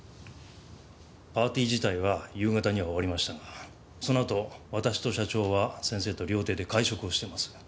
パーティー自体は夕方には終わりましたがその後私と社長は先生と料亭で会食をしています。